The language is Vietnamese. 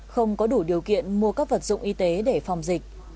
không có đủ điều kiện mua các vật dụng y tế để phòng dịch